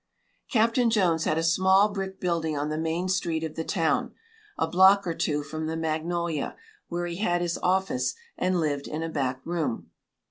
Captain Jones had a small brick building on the main street of the town, a block or two from the Magnolia, where he had his office, and lived in a back room.